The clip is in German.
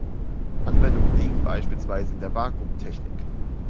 Anwendungen liegen beispielsweise in der Vakuum-Technik.